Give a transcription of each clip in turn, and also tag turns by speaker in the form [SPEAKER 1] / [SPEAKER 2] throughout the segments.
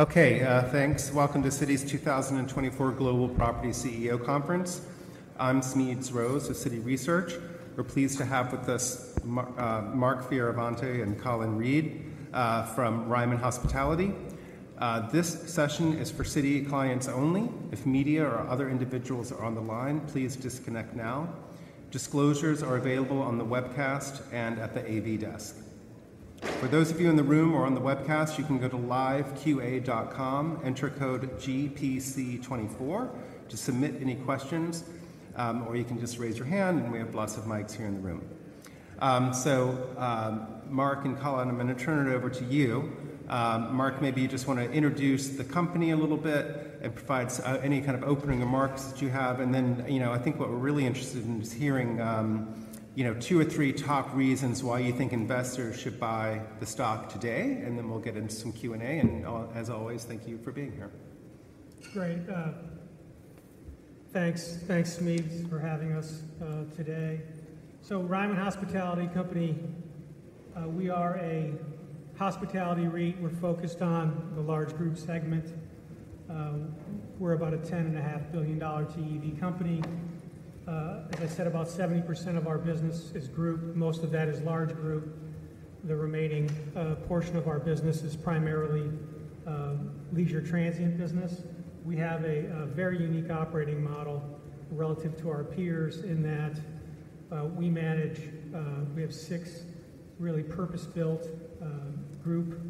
[SPEAKER 1] Okay, thanks. Welcome to Citi's 2024 Global Property CEO Conference. I'm Smedes Rose of Citi Research. We're pleased to have with us Mark Fioravanti and Colin Reed from Ryman Hospitality. This session is for Citi clients only. If media or other individuals are on the line, please disconnect now. Disclosures are available on the webcast and at the AV desk. For those of you in the room or on the webcast, you can go to liveqa.com, enter code GPC24 to submit any questions, or you can just raise your hand, and we have lots of mics here in the room. So, Mark and Colin, I'm going to turn it over to you. Mark, maybe you just want to introduce the company a little bit and provide any kind of opening remarks that you have. And then I think what we're really interested in is hearing two or three top reasons why you think investors should buy the stock today, and then we'll get into some Q&A. And as always, thank you for being here.
[SPEAKER 2] Great. Thanks, Smedes, for having us today. So, Ryman Hospitality Properties, we are a hospitality REIT. We're focused on the large group segment. We're about a $10.5 billion TEV company. As I said, about 70% of our business is group. Most of that is large group. The remaining portion of our business is primarily leisure transient business. We have a very unique operating model relative to our peers in that we have six really purpose-built group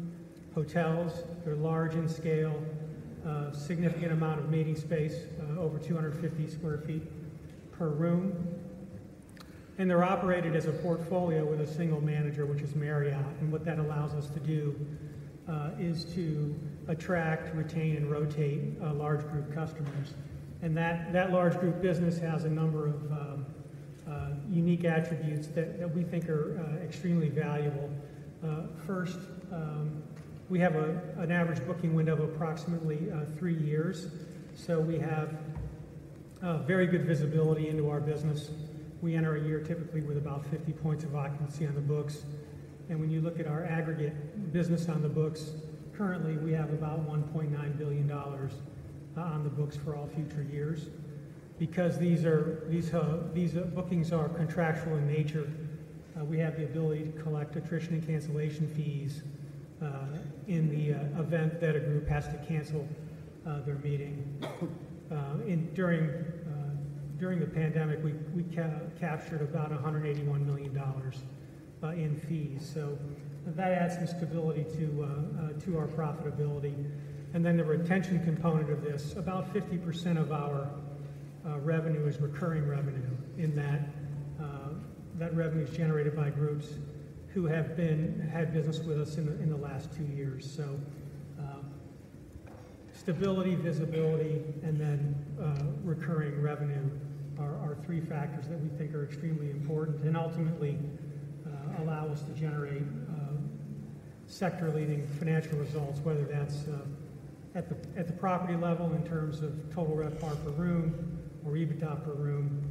[SPEAKER 2] hotels. They're large in scale, a significant amount of meeting space, over 250 sq ft per room. And they're operated as a portfolio with a single manager, which is Marriott. And what that allows us to do is to attract, retain, and rotate large group customers. And that large group business has a number of unique attributes that we think are extremely valuable. First, we have an average booking window of approximately three years. We have very good visibility into our business. We enter a year typically with about 50 points of occupancy on the books. When you look at our aggregate business on the books currently, we have about $1.9 billion on the books for all future years because these bookings are contractual in nature. We have the ability to collect attrition and cancellation fees in the event that a group has to cancel their meeting. During the pandemic, we captured about $181 million in fees. That adds some stability to our profitability. Then the retention component of this, about 50% of our revenue is recurring revenue in that that revenue is generated by groups who have had business with us in the last two years. Stability, visibility, and then recurring revenue are three factors that we think are extremely important and ultimately allow us to generate sector-leading financial results, whether that's at the property level in terms of total RevPAR per room or EBITDA per room.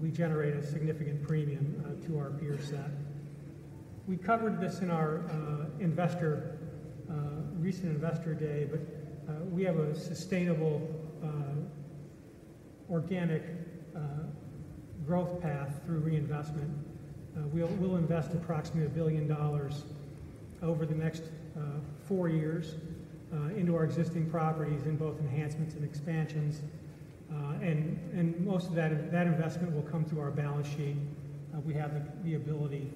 [SPEAKER 2] We generate a significant premium to our peer set. We covered this in our recent investor day, but we have a sustainable organic growth path through reinvestment. We'll invest approximately $1 billion over the next four years into our existing properties in both enhancements and expansions. Most of that investment will come through our balance sheet. We have the ability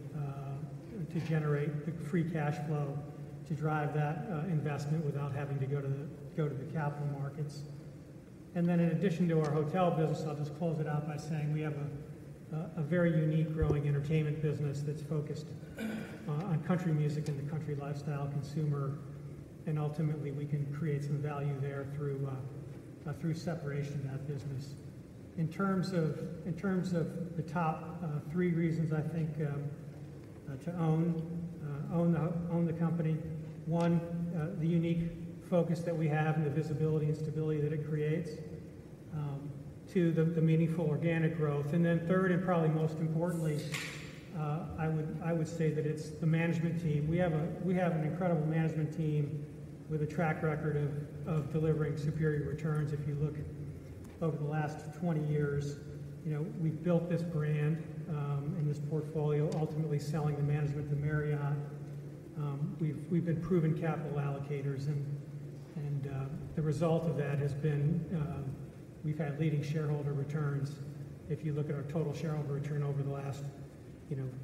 [SPEAKER 2] to generate the free cash flow to drive that investment without having to go to the capital markets. Then in addition to our hotel business, I'll just close it out by saying we have a very unique growing entertainment business that's focused on country music and the country lifestyle consumer. And ultimately, we can create some value there through separation of that business. In terms of the top three reasons, I think, to own the company, one, the unique focus that we have and the visibility and stability that it creates. Two, the meaningful organic growth. And then third, and probably most importantly, I would say that it's the management team. We have an incredible management team with a track record of delivering superior returns. If you look over the last 20 years, we've built this brand and this portfolio, ultimately selling the management to Marriott. We've been proven capital allocators. And the result of that has been we've had leading shareholder returns. If you look at our total shareholder return over the last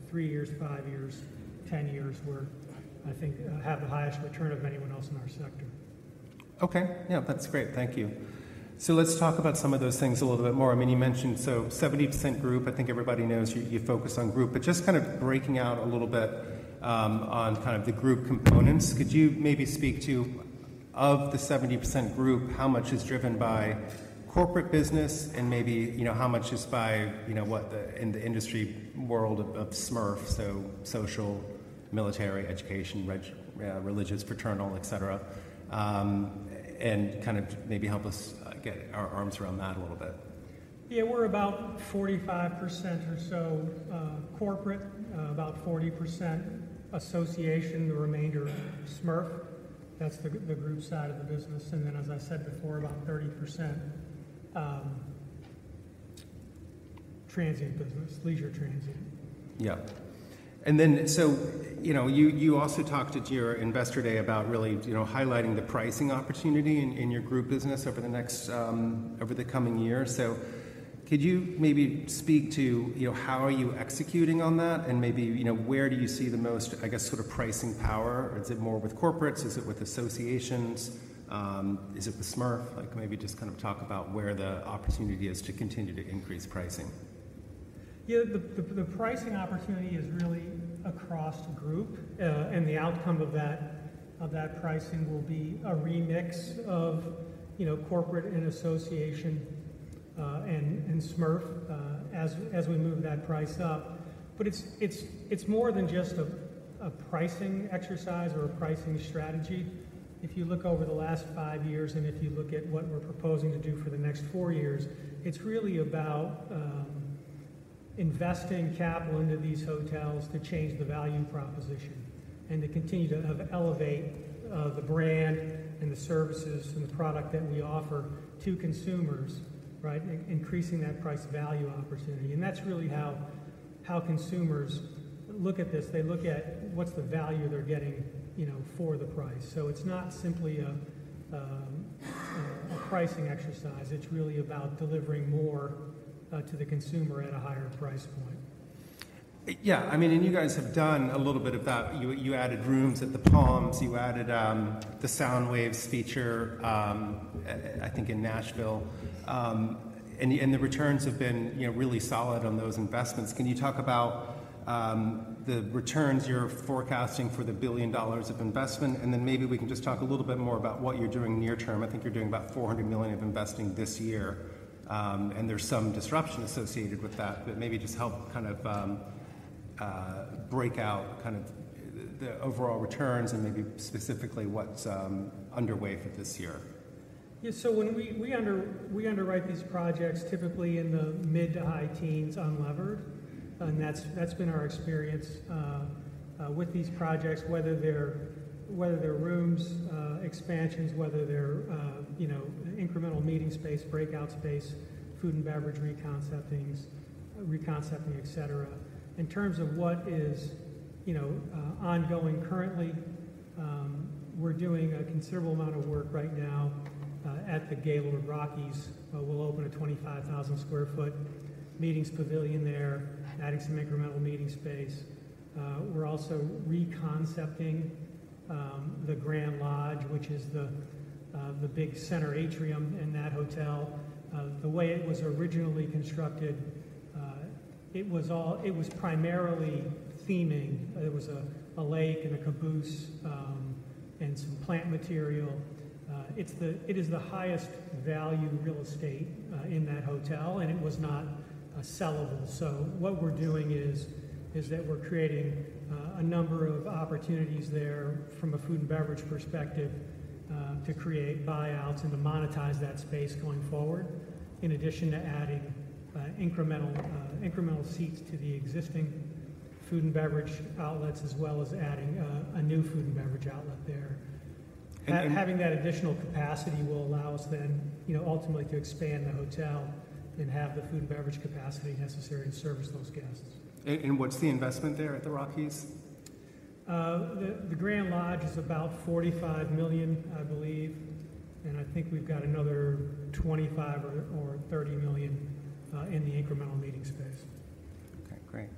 [SPEAKER 2] three years, five years, 10 years, we're, I think, have the highest return of anyone else in our sector.
[SPEAKER 1] Okay. Yeah, that's great. Thank you. So let's talk about some of those things a little bit more. I mean, you mentioned so 70% group. I think everybody knows you focus on group. But just kind of breaking out a little bit on kind of the group components, could you maybe speak to, of the 70% group, how much is driven by corporate business and maybe how much is by what in the industry world of SMERF, so social, military, education, religious, fraternal, etc., and kind of maybe help us get our arms around that a little bit?
[SPEAKER 2] Yeah, we're about 45% or so corporate, about 40% association, the remainder SMERF. That's the group side of the business. And then, as I said before, about 30% transient business, leisure transient.
[SPEAKER 1] Yeah. And then so you also talked at your investor day about really highlighting the pricing opportunity in your group business over the coming year. So could you maybe speak to how are you executing on that and maybe where do you see the most, I guess, sort of pricing power? Is it more with corporates? Is it with associations? Is it with SMERF? Maybe just kind of talk about where the opportunity is to continue to increase pricing.
[SPEAKER 2] Yeah, the pricing opportunity is really across the group. And the outcome of that pricing will be a remix of corporate and association and SMERF as we move that price up. But it's more than just a pricing exercise or a pricing strategy. If you look over the last five years and if you look at what we're proposing to do for the next four years, it's really about investing capital into these hotels to change the value proposition and to continue to elevate the brand and the services and the product that we offer to consumers, right, increasing that price-value opportunity. And that's really how consumers look at this. They look at what's the value they're getting for the price. So it's not simply a pricing exercise. It's really about delivering more to the consumer at a higher price point.
[SPEAKER 1] Yeah. I mean, and you guys have done a little bit of that. You added rooms at the Palms. You added the SoundWaves feature, I think, in Nashville. And the returns have been really solid on those investments. Can you talk about the returns you're forecasting for the $1 billion of investment? And then maybe we can just talk a little bit more about what you're doing near term. I think you're doing about $400 million of investing this year. And there's some disruption associated with that. But maybe just help kind of break out kind of the overall returns and maybe specifically what's underway for this year.
[SPEAKER 2] Yeah. So when we underwrite these projects, typically in the mid to high teens, unlevered. And that's been our experience with these projects, whether they're rooms expansions, whether they're incremental meeting space, breakout space, food and beverage reconcepting, etc. In terms of what is ongoing currently, we're doing a considerable amount of work right now at the Gaylord Rockies. We'll open a 25,000 sq ft meetings pavilion there, adding some incremental meeting space. We're also reconcepting the Grand Lodge, which is the big center atrium in that hotel. The way it was originally constructed, it was primarily theming. It was a lake and a caboose and some plant material. It is the highest value real estate in that hotel, and it was not sellable. So what we're doing is that we're creating a number of opportunities there from a food and beverage perspective to create buyouts and to monetize that space going forward, in addition to adding incremental seats to the existing food and beverage outlets as well as adding a new food and beverage outlet there. Having that additional capacity will allow us then ultimately to expand the hotel and have the food and beverage capacity necessary to service those guests.
[SPEAKER 1] What's the investment there at the Rockies?
[SPEAKER 2] The Grand Lodge is about $45 million, I believe. I think we've got another $25 million or $30 million in the incremental meeting space.
[SPEAKER 1] Okay. Great.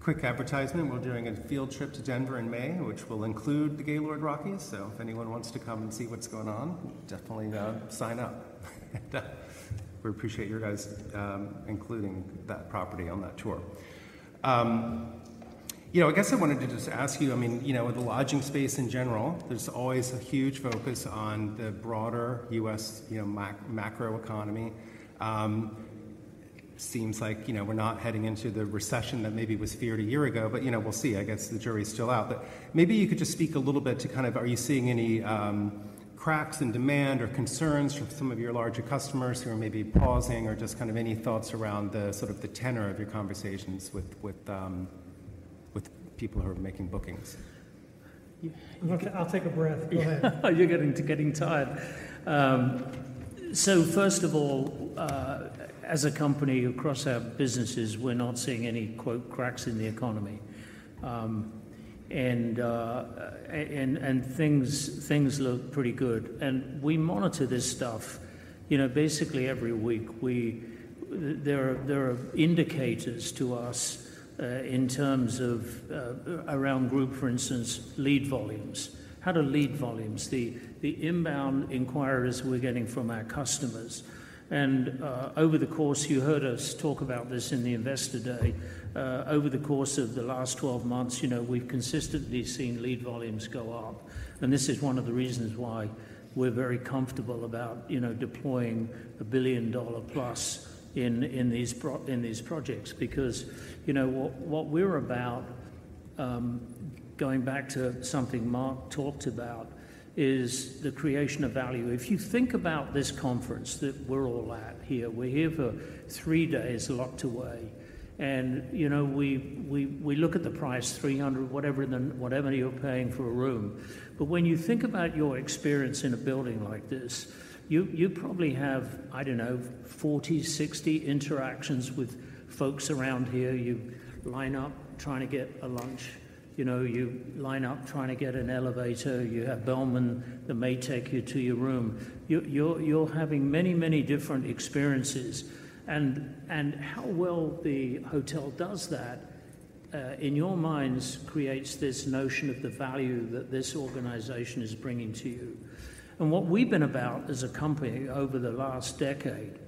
[SPEAKER 1] Quick advertisement. We're doing a field trip to Denver in May, which will include the Gaylord Rockies. So if anyone wants to come and see what's going on, definitely sign up. We appreciate your guys including that property on that tour. I guess I wanted to just ask you, I mean, with the lodging space in general, there's always a huge focus on the broader U.S. macroeconomy. Seems like we're not heading into the recession that maybe was feared a year ago. But we'll see. I guess the jury's still out. But maybe you could just speak a little bit to kind of are you seeing any cracks in demand or concerns from some of your larger customers who are maybe pausing or just kind of any thoughts around sort of the tenor of your conversations with people who are making bookings?
[SPEAKER 2] I'll take a breath. Go ahead.
[SPEAKER 3] You're getting tired. So first of all, as a company across our businesses, we're not seeing any "cracks in the economy." Things look pretty good. We monitor this stuff basically every week. There are indicators to us in terms of around group, for instance, lead volumes, how to lead volumes, the inbound inquiries we're getting from our customers. Over the course, you heard us talk about this in the Investor Day. Over the course of the last 12 months, we've consistently seen lead volumes go up. This is one of the reasons why we're very comfortable about deploying $1 billion plus in these projects because what we're about, going back to something Mark talked about, is the creation of value. If you think about this conference that we're all at here, we're here for three days locked away. We look at the price, $300, whatever you're paying for a room. But when you think about your experience in a building like this, you probably have, I don't know, 40, 60 interactions with folks around here. You line up trying to get a lunch. You line up trying to get an elevator. You have bellman that may take you to your room. You're having many, many different experiences. And how well the hotel does that, in your minds, creates this notion of the value that this organization is bringing to you. And what we've been about as a company over the last decade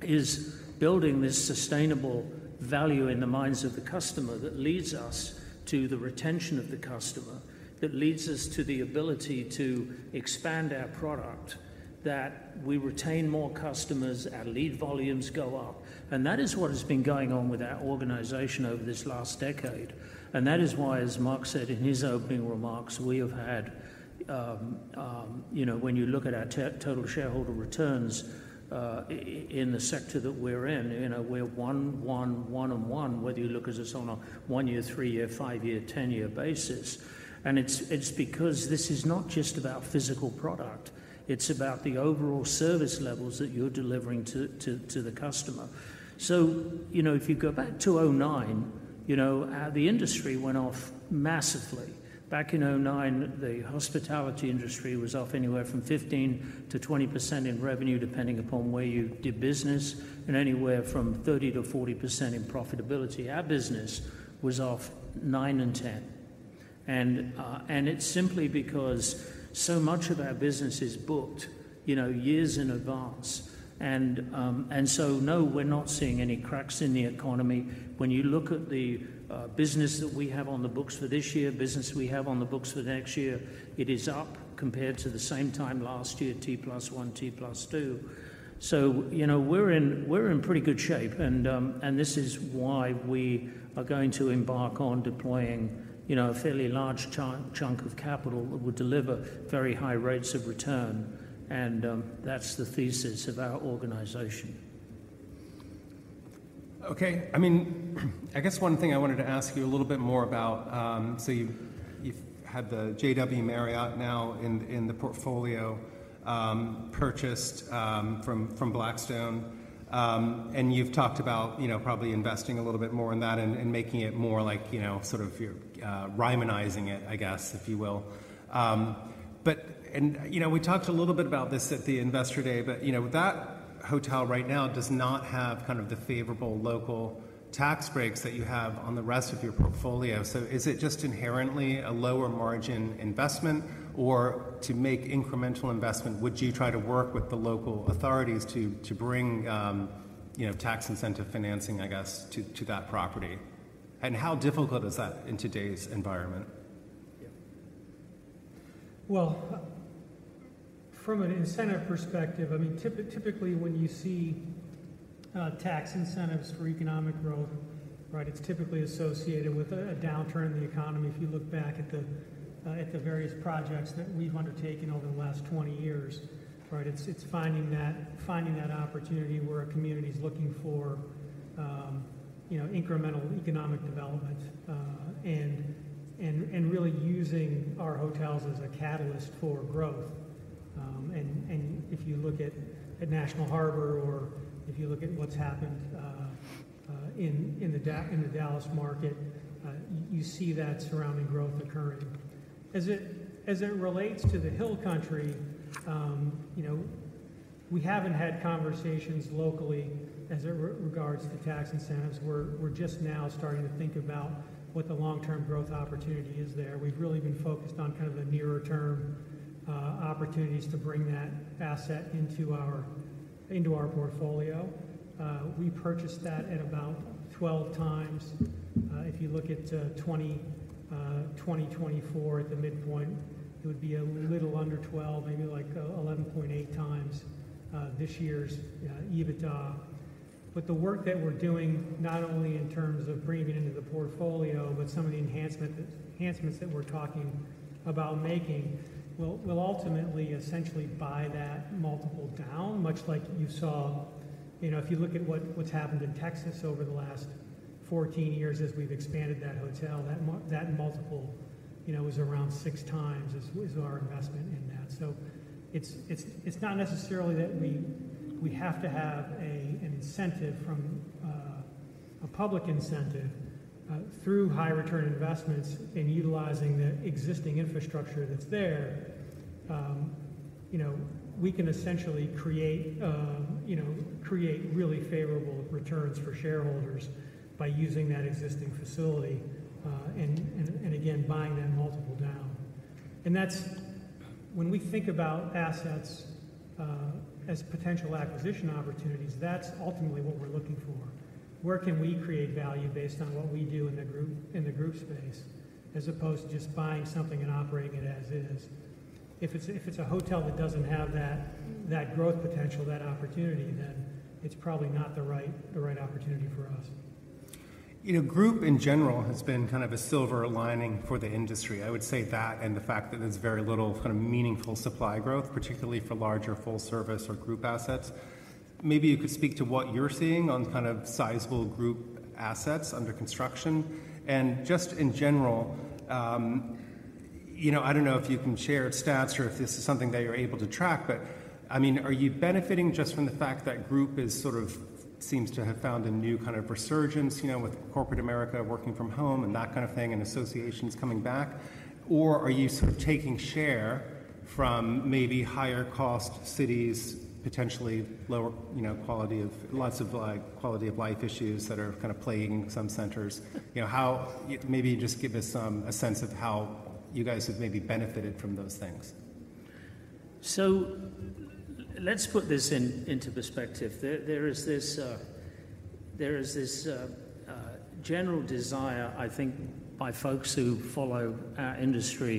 [SPEAKER 3] is building this sustainable value in the minds of the customer that leads us to the retention of the customer, that leads us to the ability to expand our product, that we retain more customers as lead volumes go up. That is what has been going on with our organization over this last decade. That is why, as Mark said in his opening remarks, we have had, when you look at our total shareholder returns in the sector that we're in, we're one, one, one, and one, whether you look at us on a one-year, three-year, five-year, 10-year basis. It's because this is not just about physical product. It's about the overall service levels that you're delivering to the customer. So if you go back to 2009, the industry went off massively. Back in 2009, the hospitality industry was off anywhere from 15%-20% in revenue depending upon where you did business and anywhere from 30%-40% in profitability. Our business was off 9% and 10%. It's simply because so much of our business is booked years in advance And so no, we're not seeing any cracks in the economy. When you look at the business that we have on the books for this year, business we have on the books for next year, it is up compared to the same time last year, T+1, T+2. So we're in pretty good shape. And this is why we are going to embark on deploying a fairly large chunk of capital that would deliver very high rates of return. And that's the thesis of our organization.
[SPEAKER 1] Okay. I mean, I guess one thing I wanted to ask you a little bit more about. So you've had the JW Marriott now in the portfolio purchased from Blackstone. And you've talked about probably investing a little bit more in that and making it more like sort of you're Ryman-izing it, I guess, if you will. And we talked a little bit about this at the investor day. But that hotel right now does not have kind of the favorable local tax breaks that you have on the rest of your portfolio. So is it just inherently a lower margin investment? Or to make incremental investment, would you try to work with the local authorities to bring tax incentive financing, I guess, to that property? And how difficult is that in today's environment?
[SPEAKER 2] Well, from an incentive perspective, I mean, typically when you see tax incentives for economic growth, right, it's typically associated with a downturn in the economy. If you look back at the various projects that we've undertaken over the last 20 years, right, it's finding that opportunity where a community's looking for incremental economic development and really using our hotels as a catalyst for growth. And if you look at National Harbor or if you look at what's happened in the Dallas market, you see that surrounding growth occurring. As it relates to the Hill Country, we haven't had conversations locally as it regards to tax incentives. We're just now starting to think about what the long-term growth opportunity is there. We've really been focused on kind of the nearer-term opportunities to bring that asset into our portfolio. We purchased that at about 12x. If you look at 2024 at the midpoint, it would be a little under 12, maybe like 11.8x this year's EBITDA. But the work that we're doing, not only in terms of bringing it into the portfolio, but some of the enhancements that we're talking about making will ultimately essentially buy that multiple down, much like you saw if you look at what's happened in Texas over the last 14 years as we've expanded that hotel, that multiple was around 6x is our investment in that. So it's not necessarily that we have to have an incentive from a public incentive through high-return investments in utilizing the existing infrastructure that's there. We can essentially create really favorable returns for shareholders by using that existing facility and, again, buying that multiple down. And when we think about assets as potential acquisition opportunities, that's ultimately what we're looking for. Where can we create value based on what we do in the group space as opposed to just buying something and operating it as is? If it's a hotel that doesn't have that growth potential, that opportunity, then it's probably not the right opportunity for us.
[SPEAKER 1] Group, in general, has been kind of a silver lining for the industry. I would say that and the fact that there's very little kind of meaningful supply growth, particularly for larger full-service or group assets. Maybe you could speak to what you're seeing on kind of sizable group assets under construction. Just in general, I don't know if you can share stats or if this is something that you're able to track. But I mean, are you benefiting just from the fact that group sort of seems to have found a new kind of resurgence with corporate America working from home and that kind of thing and associations coming back? Or are you sort of taking share from maybe higher-cost cities, potentially lower quality of lots of quality of life issues that are kind of playing in some centers? Maybe just give us a sense of how you guys have maybe benefited from those things.
[SPEAKER 3] So let's put this into perspective. There is this general desire, I think, by folks who follow our industry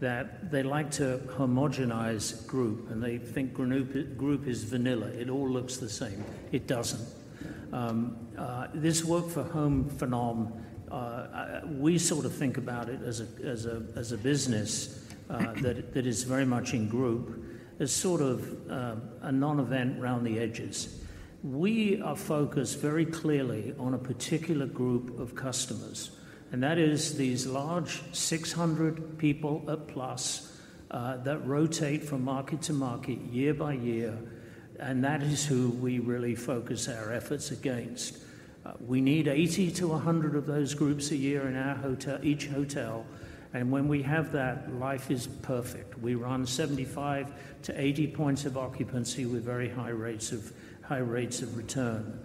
[SPEAKER 3] that they like to homogenize group. They think group is vanilla. It all looks the same. It doesn't. This work-from-home phenomenon, we sort of think about it as a business that is very much in group as sort of a non-event around the edges. We are focused very clearly on a particular group of customers. That is these large 600 people plus that rotate from market to market year by year. That is who we really focus our efforts against. We need 80-100 of those groups a year in each hotel. When we have that, life is perfect. We run 75-80 points of occupancy with very high rates of return.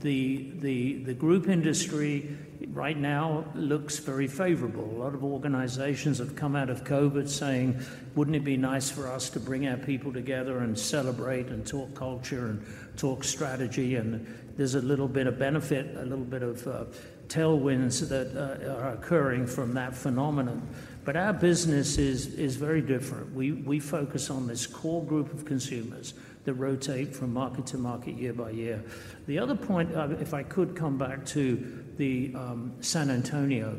[SPEAKER 3] The group industry right now looks very favorable. A lot of organizations have come out of COVID saying, "Wouldn't it be nice for us to bring our people together and celebrate and talk culture and talk strategy?" And there's a little bit of benefit, a little bit of tailwinds that are occurring from that phenomenon. But our business is very different. We focus on this core group of consumers that rotate from market to market year by year. The other point, if I could come back to the San Antonio,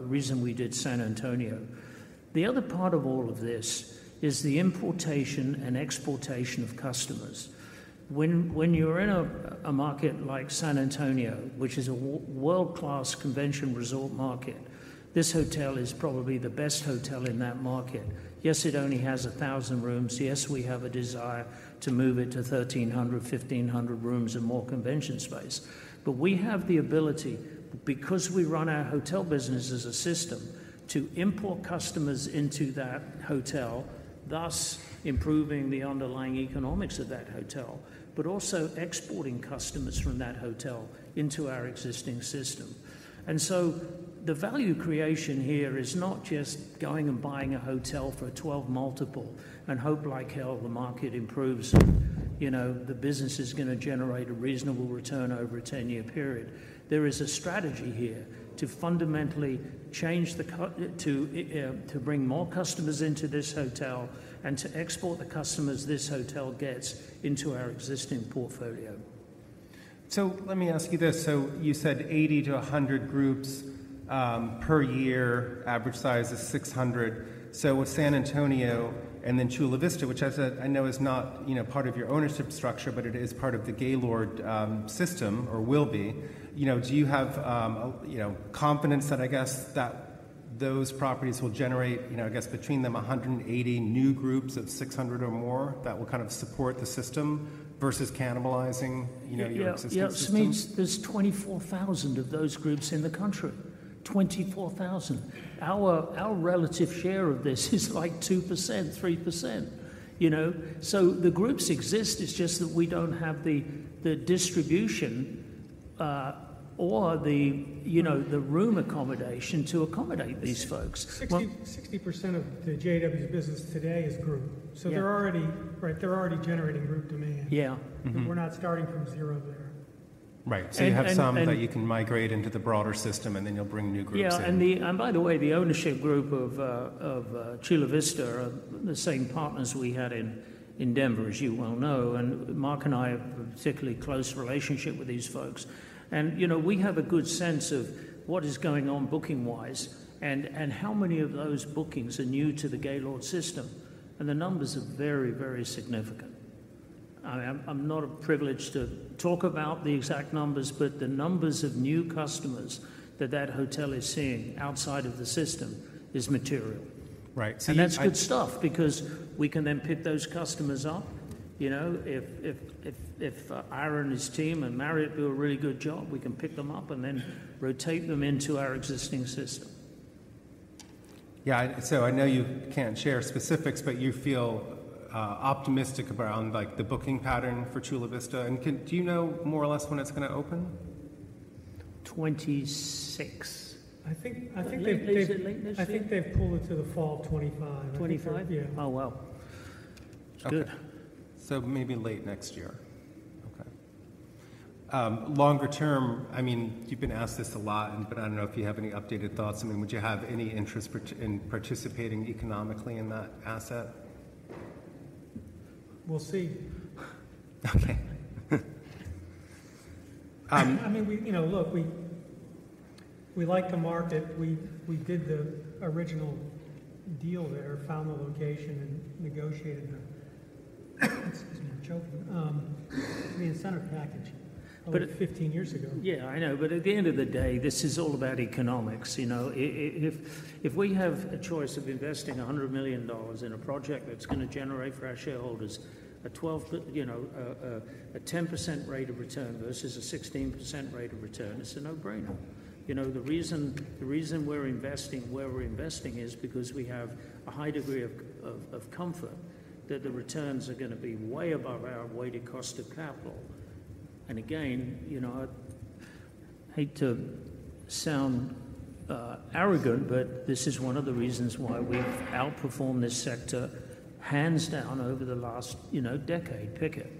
[SPEAKER 3] reason we did San Antonio, the other part of all of this is the importation and exportation of customers. When you're in a market like San Antonio, which is a world-class convention resort market, this hotel is probably the best hotel in that market. Yes, it only has 1,000 rooms. Yes, we have a desire to move it to 1,300-1,500 rooms and more convention space. But we have the ability, because we run our hotel business as a system, to import customers into that hotel, thus improving the underlying economics of that hotel, but also exporting customers from that hotel into our existing system. And so the value creation here is not just going and buying a hotel for a 12x multiple and hope like hell the market improves and the business is going to generate a reasonable return over a 10-year period. There is a strategy here to fundamentally change the to bring more customers into this hotel and to export the customers this hotel gets into our existing portfolio.
[SPEAKER 1] So let me ask you this. So you said 80-100 groups per year, average size is 600. So with San Antonio and then Chula Vista, which I know is not part of your ownership structure, but it is part of the Gaylord system or will be, do you have confidence that, I guess, those properties will generate, I guess, between them 180 new groups of 600 or more that will kind of support the system versus cannibalizing your existing system?
[SPEAKER 3] Yeah. This means there's 24,000 of those groups in the country, 24,000. Our relative share of this is like 2%, 3%. So the groups exist. It's just that we don't have the distribution or the room accommodation to accommodate these folks.
[SPEAKER 2] 60% of the JW's business today is group. They're already generating group demand. We're not starting from zero there.
[SPEAKER 1] Right. So you have some that you can migrate into the broader system, and then you'll bring new groups in.
[SPEAKER 3] Yeah. And by the way, the ownership group of Chula Vista, the same partners we had in Denver, as you well know, and Mark and I have a particularly close relationship with these folks. And we have a good sense of what is going on booking-wise and how many of those bookings are new to the Gaylord system. And the numbers are very, very significant. I'm not privileged to talk about the exact numbers, but the numbers of new customers that that hotel is seeing outside of the system is material. And that's good stuff because we can then pick those customers up. If Aaron and his team and Marriott do a really good job, we can pick them up and then rotate them into our existing system.
[SPEAKER 1] Yeah. I know you can't share specifics, but you feel optimistic around the booking pattern for Chula Vista. Do you know more or less when it's going to open?
[SPEAKER 3] 2026.
[SPEAKER 2] I think they've pulled it late next year. I think they've pulled it to the fall of 2025.
[SPEAKER 3] 2025?
[SPEAKER 2] Yeah.
[SPEAKER 3] Oh, wow. Good.
[SPEAKER 1] Maybe late next year. Okay. Longer term, I mean, you've been asked this a lot, but I don't know if you have any updated thoughts. I mean, would you have any interest in participating economically in that asset?
[SPEAKER 2] We'll see.
[SPEAKER 1] Okay.
[SPEAKER 2] I mean, look, we like the market. We did the original deal there, found the location, and negotiated, excuse me, I'm joking. I mean, incentive package 15 years ago.
[SPEAKER 3] Yeah. I know. But at the end of the day, this is all about economics. If we have a choice of investing $100 million in a project that's going to generate for our shareholders a 10% rate of return versus a 16% rate of return, it's a no-brainer. The reason we're investing where we're investing is because we have a high degree of comfort that the returns are going to be way above our weighted cost of capital. And again, I hate to sound arrogant, but this is one of the reasons why we've outperformed this sector hands down over the last decade, pick it.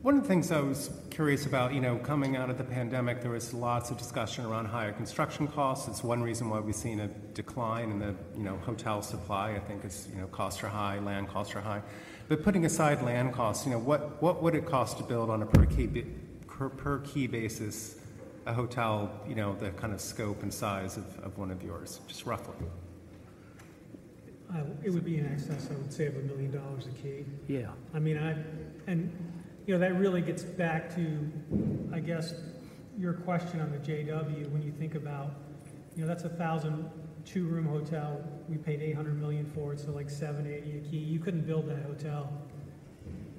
[SPEAKER 1] One of the things I was curious about, coming out of the pandemic, there was lots of discussion around higher construction costs. It's one reason why we've seen a decline in the hotel supply, I think, is costs are high, land costs are high. But putting aside land costs, what would it cost to build on a per-key basis a hotel, the kind of scope and size of one of yours, just roughly?
[SPEAKER 2] It would be an excess, I would say, of $1 million a key. I mean, and that really gets back to, I guess, your question on the JW. When you think about that's a 1,002-room hotel. We paid $800 million for it. So like $780 a key. You couldn't build that hotel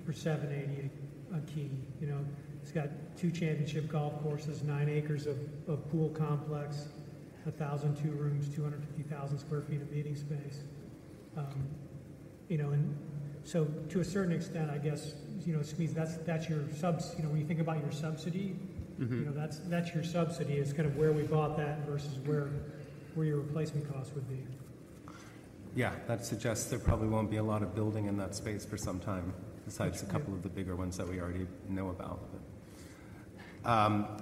[SPEAKER 2] for $780 a key. It's got two championship golf courses, nine acres of pool complex, 1,002 rooms, 250,000 sq ft of meeting space. And so to a certain extent, I guess, it just means that's your when you think about your subsidy, that's your subsidy is kind of where we bought that versus where your replacement costs would be.
[SPEAKER 1] Yeah. That suggests there probably won't be a lot of building in that space for some time besides a couple of the bigger ones that we already know about. But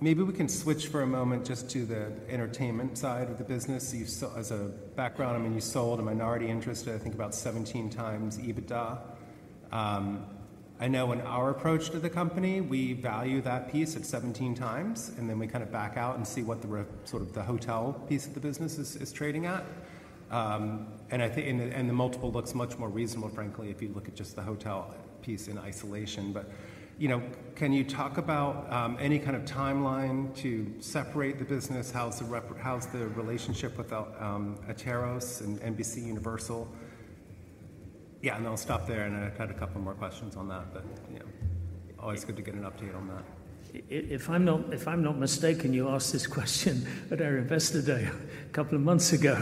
[SPEAKER 1] maybe we can switch for a moment just to the entertainment side of the business. As a background, I mean, you sold a minority interest, I think, about 17x EBITDA. I know in our approach to the company, we value that piece at 17x. And then we kind of back out and see what sort of the hotel piece of the business is trading at. And the multiple looks much more reasonable, frankly, if you look at just the hotel piece in isolation. But can you talk about any kind of timeline to separate the business? How's the relationship with Atairos and NBCUniversal? Yeah. And I'll stop there. And I've had a couple more questions on that. But always good to get an update on that.
[SPEAKER 3] If I'm not mistaken, you asked this question at our investor day a couple of months ago.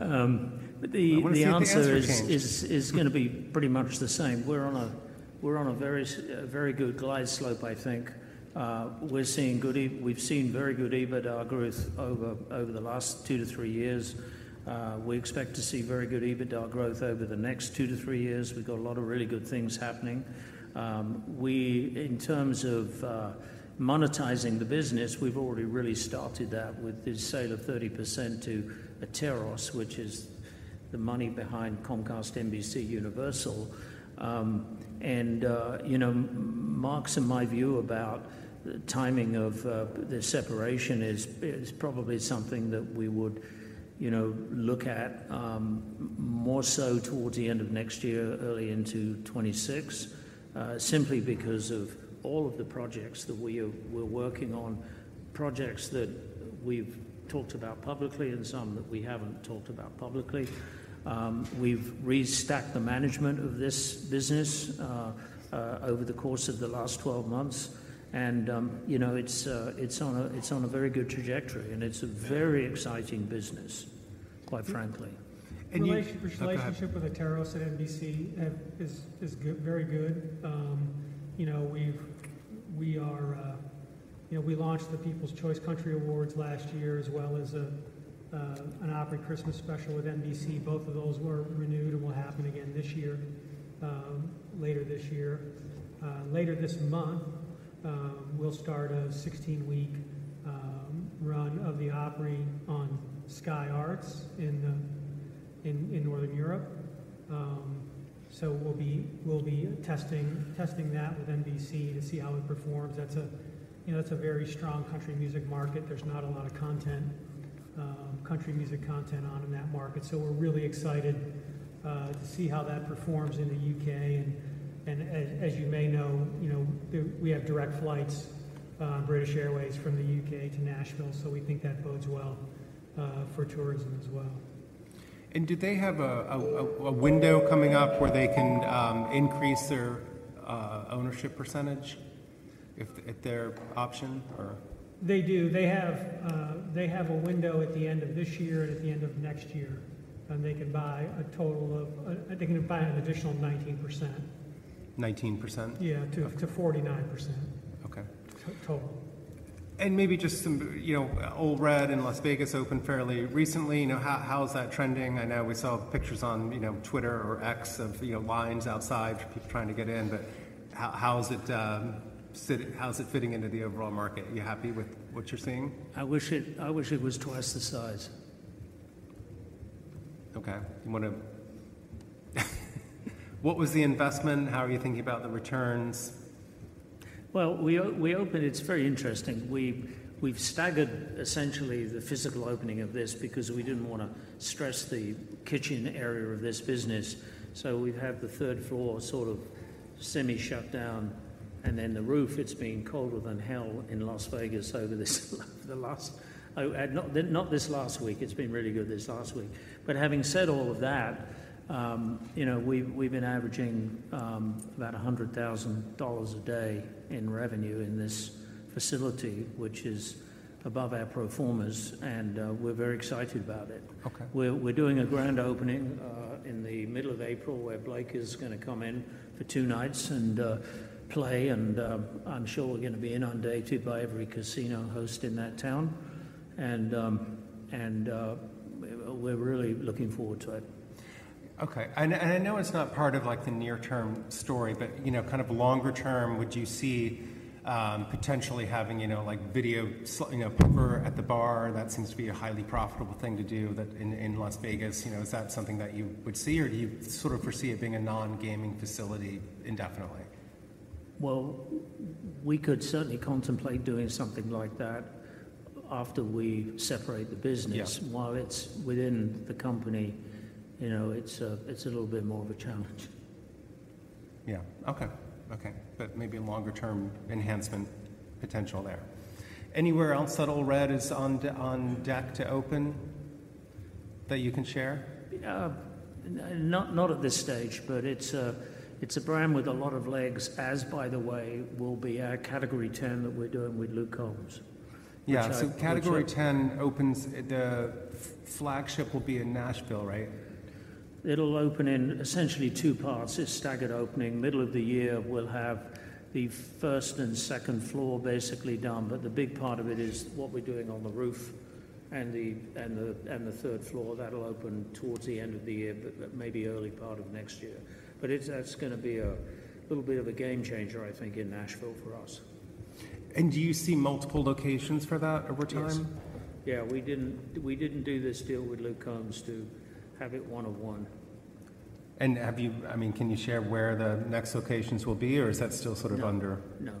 [SPEAKER 3] But the answer is going to be pretty much the same. We're on a very good glide slope, I think. We've seen very good EBITDA growth over the last 2-3 years. We expect to see very good EBITDA growth over the next 2-3 years. We've got a lot of really good things happening. In terms of monetizing the business, we've already really started that with this sale of 30% to Atairos, which is the money behind Comcast NBCUniversal. Mark's and my view about the timing of this separation is probably something that we would look at more so towards the end of next year, early into 2026, simply because of all of the projects that we're working on, projects that we've talked about publicly and some that we haven't talked about publicly. We've restacked the management of this business over the course of the last 12 months. It's on a very good trajectory. It's a very exciting business, quite frankly.
[SPEAKER 2] Relationship with Atairos and NBC is very good. We launched the People's Choice Country Awards last year as well as an Opry Christmas special with NBC. Both of those were renewed and will happen again later this year. Later this month, we'll start a 16-week run of the Opry on Sky Arts in Northern Europe. So we'll be testing that with NBC to see how it performs. That's a very strong country music market. There's not a lot of country music content on in that market. So we're really excited to see how that performs in the U.K. And as you may know, we have direct flights on British Airways from the U.K. to Nashville. So we think that bodes well for tourism as well.
[SPEAKER 1] Do they have a window coming up where they can increase their ownership percentage if they're optioned, or?
[SPEAKER 2] They do. They have a window at the end of this year and at the end of next year. They can buy a total of an additional 19%.
[SPEAKER 1] 19%?
[SPEAKER 2] Yeah, to 49% total.
[SPEAKER 1] Maybe just some Ole Red and Las Vegas opened fairly recently. How's that trending? I know we saw pictures on Twitter or X of lines outside for people trying to get in. But how's it fitting into the overall market? Are you happy with what you're seeing?
[SPEAKER 3] I wish it was twice the size.
[SPEAKER 1] Okay. What was the investment? How are you thinking about the returns?
[SPEAKER 3] Well, we opened. It's very interesting. We've staggered, essentially, the physical opening of this because we didn't want to stress the kitchen area of this business. So we've had the third floor sort of semi-shut down. And then the roof, it's been colder than hell in Las Vegas over the last not this last week. It's been really good this last week. But having said all of that, we've been averaging about $100,000 a day in revenue in this facility, which is above our pro formas. And we're very excited about it. We're doing a grand opening in the middle of April where Blake is going to come in for two nights and play. And I'm sure we're going to be in on day two by every casino host in that town. And we're really looking forward to it.
[SPEAKER 1] Okay. I know it's not part of the near-term story, but kind of longer term, would you see potentially having video poker at the bar? That seems to be a highly profitable thing to do in Las Vegas. Is that something that you would see, or do you sort of foresee it being a non-gaming facility indefinitely?
[SPEAKER 3] Well, we could certainly contemplate doing something like that after we separate the business. While it's within the company, it's a little bit more of a challenge.
[SPEAKER 1] Yeah. Okay. Okay. But maybe a longer-term enhancement potential there. Anywhere else that Ole Red is on deck to open that you can share?
[SPEAKER 3] Not at this stage, but it's a brand with a lot of legs, as, by the way, will be our Category 10 that we're doing with Luke Combs, which I.
[SPEAKER 1] Yeah. Category 10 opens. The flagship will be in Nashville, right?
[SPEAKER 3] It'll open in essentially two parts. It's staggered opening. Middle of the year, we'll have the first and second floor basically done. But the big part of it is what we're doing on the roof and the third floor. That'll open towards the end of the year, but maybe early part of next year. But that's going to be a little bit of a game changer, I think, in Nashville for us.
[SPEAKER 1] Do you see multiple locations for that over time?
[SPEAKER 3] Yes. Yeah. We didn't do this deal with Luke Combs to have it one-on-one.
[SPEAKER 1] I mean, can you share where the next locations will be, or is that still sort of under?
[SPEAKER 3] No.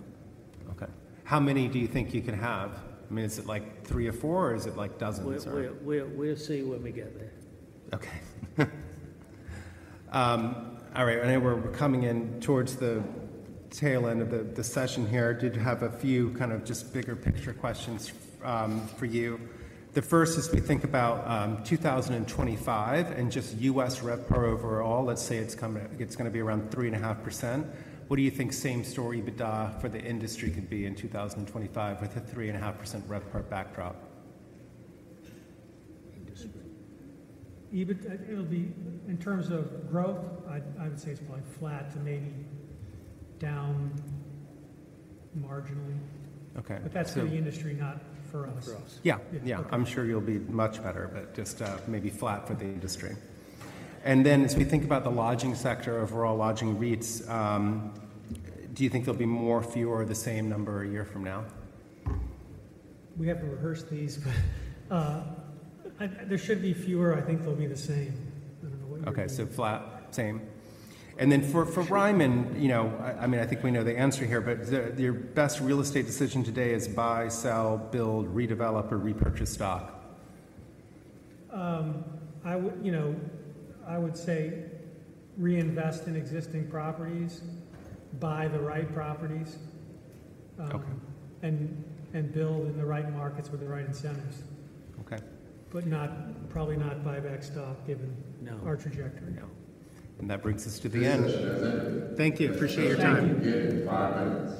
[SPEAKER 1] Okay. How many do you think you can have? I mean, is it like three or four, or is it like dozens, or?
[SPEAKER 3] We'll see when we get there.
[SPEAKER 1] Okay. All right. I know we're coming in towards the tail end of the session here. Did have a few kind of just bigger picture questions for you. The first is we think about 2025 and just U.S. RevPAR overall. Let's say it's going to be around 3.5%. What do you think same-store EBITDA for the industry could be in 2025 with a 3.5% RevPAR backdrop?
[SPEAKER 2] Industry. In terms of growth, I would say it's probably flat to maybe down marginally. That's for the industry, not for us.
[SPEAKER 1] For us. Yeah. Yeah. I'm sure you'll be much better, but just maybe flat for the industry. And then as we think about the lodging sector, overall lodging REITs, do you think there'll be more, fewer, or the same number a year from now?
[SPEAKER 2] We haven't rehearsed these, but there should be fewer. I think they'll be the same. I don't know what you mean.
[SPEAKER 1] Okay. So flat, same. And then for Ryman, I mean, I think we know the answer here, but your best real estate decision today is buy, sell, build, redevelop, or repurchase stock?
[SPEAKER 2] I would say reinvest in existing properties, buy the right properties, and build in the right markets with the right incentives. But probably not buyback stock given our trajectory.
[SPEAKER 1] And that brings us to the end. Thank you. Appreciate your time.